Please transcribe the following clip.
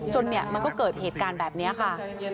เนี่ยมันก็เกิดเหตุการณ์แบบนี้ค่ะ